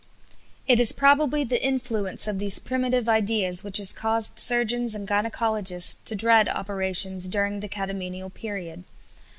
It is probably the influence of these primitive ideas which has caused surgeons and gynæcologists to dread operations during the catamenial period.